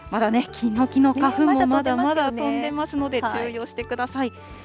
そして、まだね、ヒノキの花粉もまだまだ飛んでますので、注意をしてください。